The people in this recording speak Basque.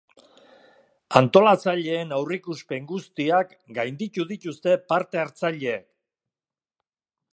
Antolatzaileen aurreikuspen guztiak gainditu dituzte parte-hartzaileek.